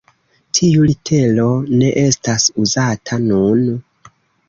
Tiu litero ne estas uzata nun.